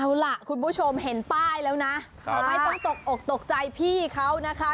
เอาล่ะคุณผู้ชมเห็นป้ายแล้วนะไม่ต้องตกอกตกใจพี่เขานะคะ